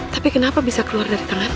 tapi kenapa bisa keluar dari tangan